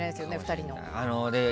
２人の。